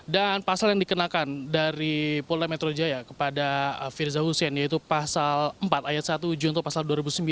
dan pasal yang dikenakan dari polda metro jaya kepada firza hussein yaitu pasal empat ayat satu ujung toh pasal dua